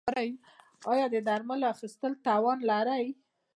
ایا د درملو اخیستلو توان لرئ؟